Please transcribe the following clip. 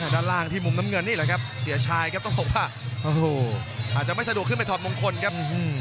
ด้านล่างที่มุมน้ำเงินนี่แหละครับเสียชายครับต้องบอกว่าโอ้โหอาจจะไม่สะดวกขึ้นไปถอดมงคลครับ